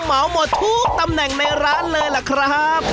เหมาหมดทุกตำแหน่งในร้านเลยล่ะครับ